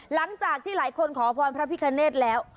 หลังจากที่หลายคนขอพรพระพิคเนธแล้ว